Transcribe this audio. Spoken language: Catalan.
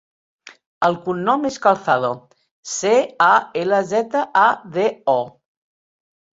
El cognom és Calzado: ce, a, ela, zeta, a, de, o.